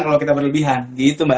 kalau kita berlebihan gitu mbak